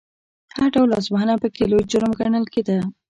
هر ډول لاسوهنه پکې لوی جرم ګڼل کېده.